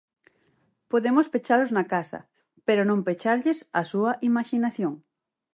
Podemos pechalos na casa, pero non pecharlles a súa imaxinación.